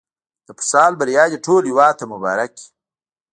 د فوتسال بریا دې ټول هېواد ته مبارک وي.